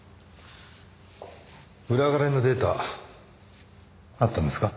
裏金のデータあったんですか？